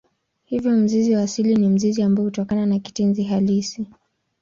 Hivyo mzizi wa asili ni mzizi ambao hutokana na kitenzi halisi.